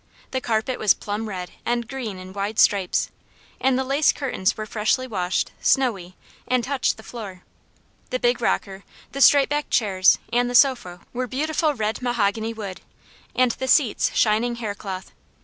The carpet was plum red and green in wide stripes, and the lace curtains were freshly washed, snowy, and touched the floor. The big rocker, the straight backed chairs, and the sofa were beautiful red mahogany wood, and the seats shining haircloth.